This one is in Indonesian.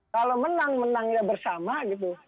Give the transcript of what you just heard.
kalau menang menangnya bersama gitu